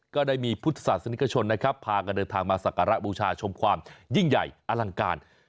ก็ได้มีพุทธศาสนิกชนนะครับพากันเดินทางมาสักการะบูชาชมความยิ่งใหญ่อลังการ